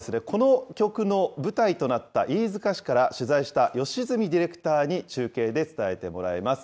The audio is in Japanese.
そして、けさは、この曲の舞台となった飯塚市から、取材した吉住ディレクターに中継で伝えてもらいます。